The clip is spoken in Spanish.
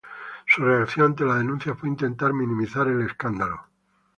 Su reacción ante la denuncia fue intentar minimizar el escándalo.